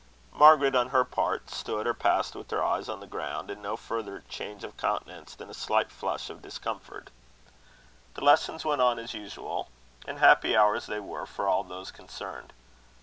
Margaret, on her part, stood or passed with her eyes on the ground, and no further change of countenance than a slight flush of discomfort. The lessons went on as usual, and happy hours they were for all those concerned.